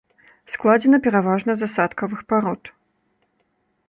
Складзена пераважна з асадкавых парод.